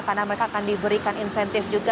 karena mereka akan diberikan insentif juga